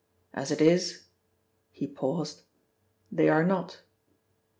As it is," he paused, "they are not."